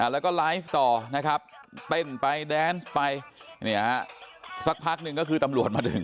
แล้วก็ไลฟ์ต่อนะครับเต้นไปแดนส์ไปสักพักหนึ่งก็คือตำรวจมาถึง